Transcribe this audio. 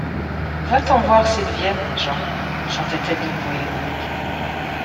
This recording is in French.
Va-t’en voir s’ils viennent, Jean ! chantait-elle d’une voix ironique.